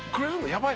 やばい！」